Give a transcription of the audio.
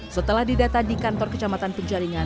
setelah didata di kantor kecamatan penjaringan